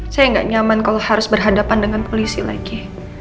saya nggak nyaman kalau harus berhadapan dengan polisi lagi